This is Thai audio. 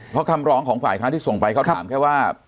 เพราะคำร้องของฝ่ายค้านที่ส่งไปเขาถามแค่ว่า